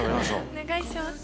お願いします。